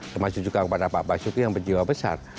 termasuk juga kepada pak basuki yang berjiwa besar